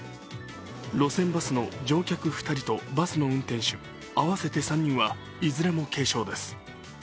路線バスの乗客２人とバスの運転手、合わせて３人はいずれも軽傷です。